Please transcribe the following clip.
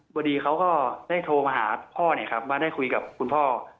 พอดีเขาก็ได้โทรมาหาพ่อเนี่ยครับว่าได้คุยกับคุณพ่อ